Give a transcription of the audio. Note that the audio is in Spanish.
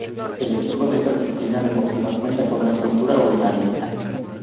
El equipo de esta disciplina deportiva cuenta con una estructura ordinaria.